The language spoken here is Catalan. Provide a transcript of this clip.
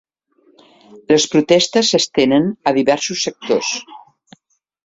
Les protestes s'estenen a diversos sectors.